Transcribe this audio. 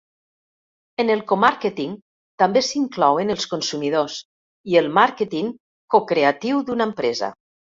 En el co-màrqueting també s'inclouen els consumidors i el màrqueting co-creatiu d'una empresa.